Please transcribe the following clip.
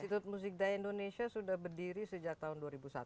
institut musik daya indonesia sudah berdiri sejak tahun dua ribu satu